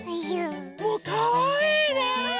もうかわいいね！